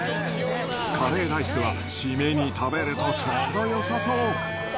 カレーライスは、締めに食べるとちょうどよさそう。